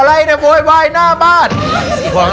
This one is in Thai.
อะไรในบ้อยหน้าเนี่ยบ้าน